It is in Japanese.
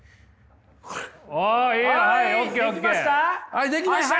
はい出来ました！